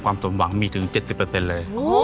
ความสมหวังมีถึง๗๐เปอร์เซ็นต์เลย